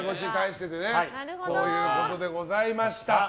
そういうことでございました。